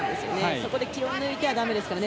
そこで気を抜いてはだめですね。